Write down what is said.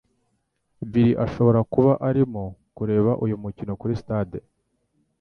Bill ashobora kuba arimo kureba uyu mukino kuri stade.